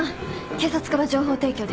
警察から情報提供です。